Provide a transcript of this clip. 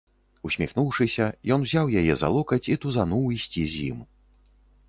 Усміхнуўшыся, ён узяў яе за локаць і тузануў ісці з ім.